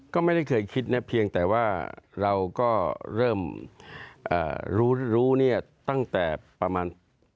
ก็ไม่ได้เคยคิดนะเพียงแต่ว่าเราก็เริ่มรู้เนี่ยตั้งแต่ประมาณ